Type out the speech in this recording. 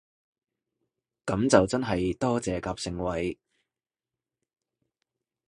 噉就真係多謝夾盛惠